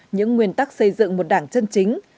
những nguyên tắc xây dựng một đảng chân chính